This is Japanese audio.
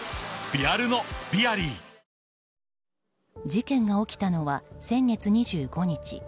事件が起きたのは先月２５日。